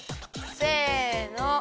せの。